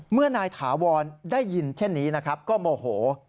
เมื่อนายถาวรได้ยินเช่นนี้นะครับก็โมโห